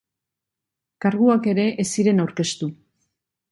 Karguak ere ez ziren aurkeztu.